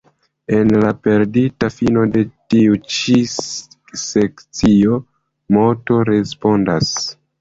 En la perdita fino de tiu ĉi sekcio, Moto respondas.